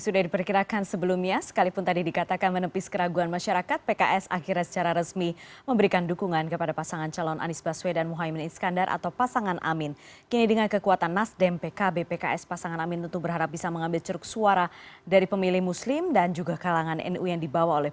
jadi ini sekaligus menepis berbagai keraguan masyarakat dengan adanya hasil ini